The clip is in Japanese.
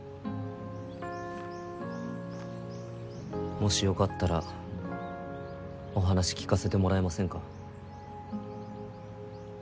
もしよかったらお話聞かせてもらえませんか？